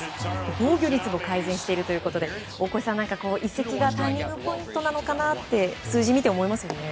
防御率も改善しているということで大越さん、移籍がターニングポイントなのかなと数字を見て思いますよね。